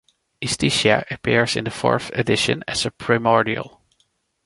Istishia appears in the fourth edition as a primordial.